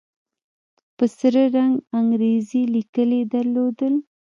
په سره رنگ انګريزي ليکل يې درلودل.